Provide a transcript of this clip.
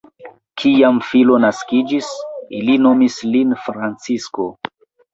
Kiam filo naskiĝis, ili nomis lin Francisko.